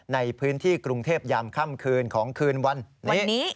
ในพื้นที่กรุงเทพยามค่ำคืนของคืนวันนี้